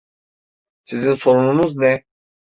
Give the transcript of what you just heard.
Sizin sorununuz ne?